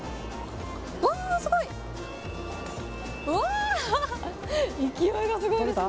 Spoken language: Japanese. わー、すごい！うわー！勢いがすごいですね。